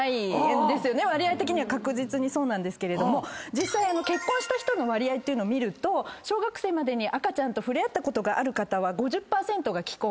実際結婚した人の割合を見ると小学生までに赤ちゃんと触れ合ったことがある方は５０％が既婚。